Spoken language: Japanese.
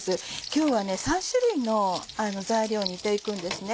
今日は３種類の材料煮て行くんですね。